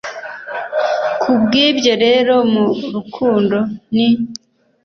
ku bw ibyo rero mu rukundo ni